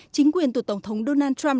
chính quyền tổng thống donald trump